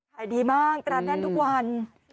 ถ่ายดีมากร้านแน่นทุกวัน